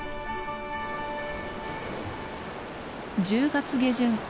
１０月下旬。